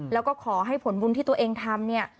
แล้วก็ขอให้ผลบุญที่ตัวเองทำเนี่ย